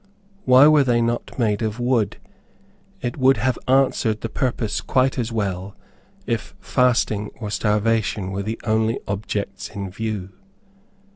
Why were they not made of wood? It would have answered the purpose quite as well, if fasting or starvation were the only objects in view.